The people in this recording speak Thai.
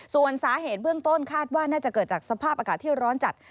ส่วนสาเหตุเบื้องต้นคาดว่าน่าจะเกิดจากสภาพอากาศที่ร้อนจัด